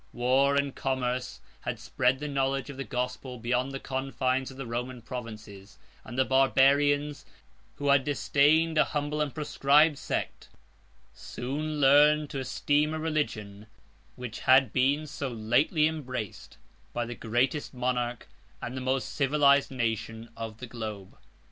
War and commerce had spread the knowledge of the gospel beyond the confines of the Roman provinces; and the Barbarians, who had disdained as humble and proscribed sect, soon learned to esteem a religion which had been so lately embraced by the greatest monarch, and the most civilized nation, of the globe.